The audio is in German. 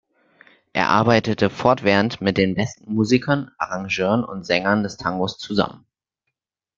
Er arbeitete fortwährend mit den besten Musikern, Arrangeuren und Sängern des Tangos zusammen.